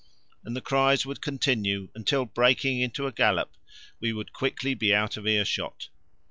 And the cries would continue until, breaking into a gallop, we would quickly be out of earshot.